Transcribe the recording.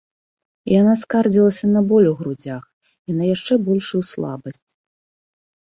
Яна скардзілася на боль у грудзях і на яшчэ большую слабасць.